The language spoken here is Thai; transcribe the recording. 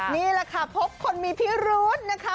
นี่แหละค่ะพบคนมีพิรุธนะคะ